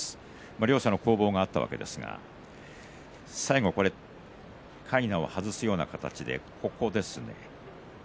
両者の攻防があったわけですが最後はかいなを外すような形。